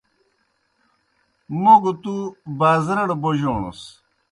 موْ گہ تُوْ بازرَڑ بوجوݨَس۔